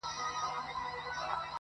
• ور څرګند د رڼا ګانو حقیقت وي -